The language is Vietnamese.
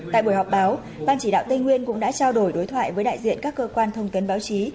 tại buổi họp báo ban chỉ đạo tây nguyên cũng đã trao đổi đối thoại với đại diện các cơ quan thông tấn báo chí